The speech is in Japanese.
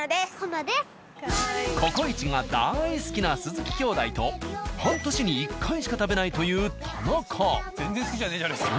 「ココイチ」がだい好きな鈴木兄妹と半年に１回しか食べないという田中。